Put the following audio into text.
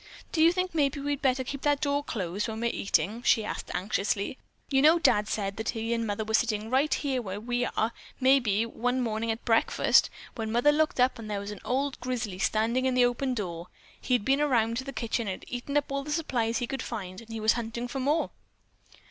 "Don't you think maybe we'd better keep that door closed when we're eating?" she asked anxiously. "You know Dad said he and mother were sitting right here where we are, maybe, one morning at breakfast, when mother looked up and there was an old grizzly standing in the open door. He had been around to the kitchen and had eaten up all the supplies he could find and he was hunting for more."